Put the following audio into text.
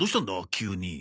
急に。